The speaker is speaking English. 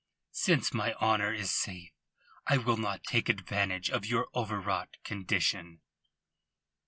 Since my honour is safe I will not take advantage of your overwrought condition."